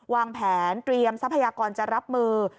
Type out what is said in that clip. วางแผนเตรียมทรัพยากรจะรับมือ